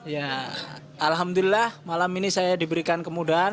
ya alhamdulillah malam ini saya diberikan kemudahan